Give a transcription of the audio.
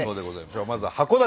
まずは函館。